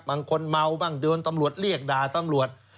บางคนเมาบ้างโดนตำรวจเรียกด่าตำรวจ